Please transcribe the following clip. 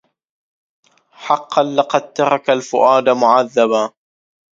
حقا لقد ترك الفؤاد معذبا